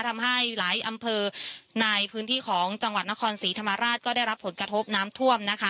ทำให้หลายอำเภอในพื้นที่ของจังหวัดนครศรีธรรมราชก็ได้รับผลกระทบน้ำท่วมนะคะ